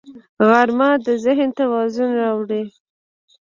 غرمه د ذهن توازن راوړي